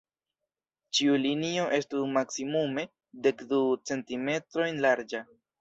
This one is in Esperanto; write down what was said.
Ĉiu linio estu maksimume dek du centimetrojn larĝa.